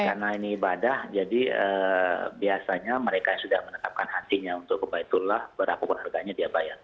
karena ini ibadah jadi biasanya mereka sudah menetapkan hatinya untuk kebaikannya berapa harganya dia bayar